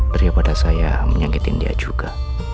daripada saya menyakitin dia juga